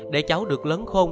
để cháu được lớn khôn